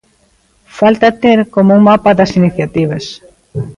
Falta ter como un mapa das iniciativas.